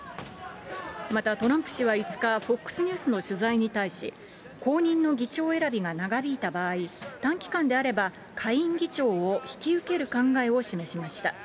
またトランプ氏は５日、フォックスニュースの取材に対し、後任の議長選びが長引いた場合、短期間であれば下院議長を引き受ける考えを示しました。